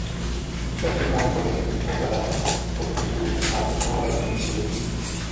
যতদূর মনে পড়ে, পচা দাঁত, অদ্ভুত চুল আর চশমাওয়ালা একজন ছিলে তুমি।